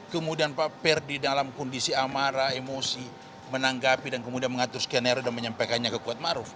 kemudian pak ferdi dalam kondisi amarah emosi menanggapi dan kemudian mengatur skenario dan menyampaikannya ke kuatmaruf